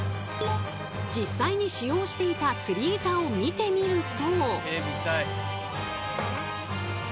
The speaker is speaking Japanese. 実際に使用していたスリ板を見てみると。